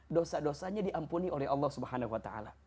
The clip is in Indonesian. dosa dosanya diampuni oleh allah swt